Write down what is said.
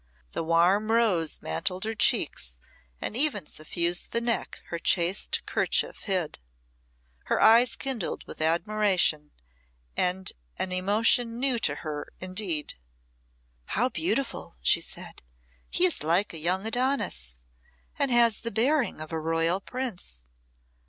The warm rose mantled her cheeks, and even suffused the neck her chaste kerchief hid. Her eye kindled with admiration and an emotion new to her indeed. "How beautiful!" she said. "He is like a young Adonis, and has the bearing of a royal prince!